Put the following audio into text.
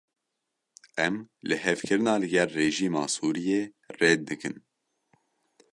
Em lihevkirina li gel rejîma Sûriyê red dikin.